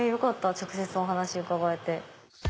直接お話伺えて。